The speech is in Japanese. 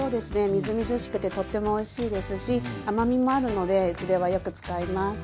みずみずしくてとってもおいしいですし甘みもあるのでうちではよく使います。